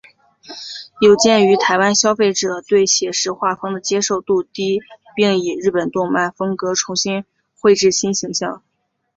有鉴于台湾消费者对写实画风的接受度低并以日本动漫风格重新绘制新形象。